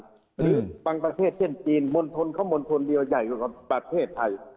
หรือบางประเทศเช่นจีนมณฑลเขามณฑลเดียวใหญ่กว่าประเทศไทย